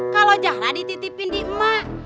kalau jangan dititipin di emak